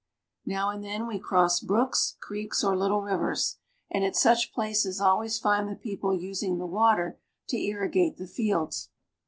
Now and then we cross brooks, creeks, or little rivers ; and at such places always find the people using the water to irrigate the fields.